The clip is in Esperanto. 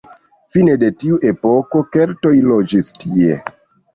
Fine de tiu epoko keltoj loĝis tie.